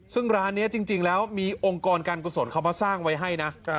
ซึ่งร้านนี้จริงแล้วมีองค์กรการกุศลเขามาสร้างไว้ให้นะ